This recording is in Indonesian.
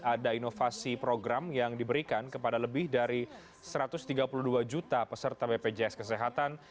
ada inovasi program yang diberikan kepada lebih dari satu ratus tiga puluh dua juta peserta bpjs kesehatan